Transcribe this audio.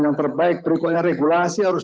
yang terbaik rukunnya regulasi harus